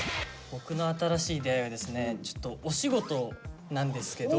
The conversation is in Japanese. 僕の新しい出会いはですねちょっとお仕事なんですけど。